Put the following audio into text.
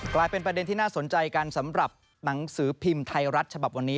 กลายเป็นประเด็นที่น่าสนใจกันสำหรับหนังสือพิมพ์ไทยรัฐฉบับวันนี้